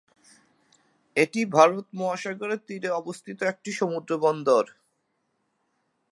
এটি ভারত মহাসাগরের তীরে অবস্থিত একটি সমুদ্র বন্দর।